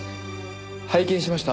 拝見しました。